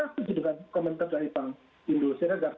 kelas tujuh komentar dari bank indonesia